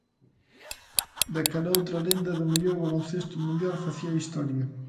Daquela outra lenda do mellor baloncesto mundial facía historia.